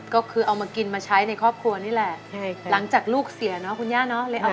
ก็คือเอามากินมาใช้ในครอบครัวนี่แหละ